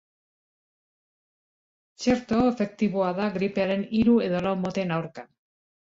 Txerto hau efektiboa da gripearen hiru edo lau moten aurka.